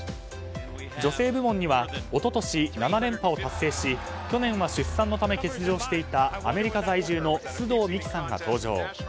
女性部門には、一昨年７連覇を達成し去年は出産のため欠場していたアメリカ在住の須藤美貴さんが登場。